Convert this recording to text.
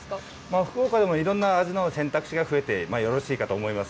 福岡でもいろんな味の選択肢が増えて、よろしいかと思います。